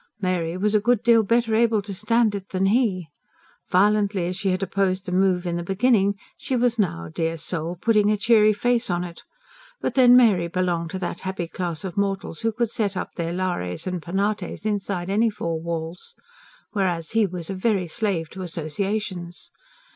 Mary was a good deal better able to stand it than he. Violently as she had opposed the move in the beginning, she was now, dear soul, putting a cheery face on it. But then Mary belonged to that happy class of mortals who could set up their Lares and Penates inside any four walls. Whereas he was a very slave to associations.